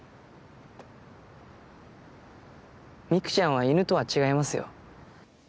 ミクちゃんは犬とは違いますよ。